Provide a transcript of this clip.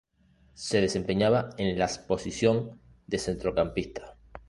Se desempeñaba en las posición de centrocampista.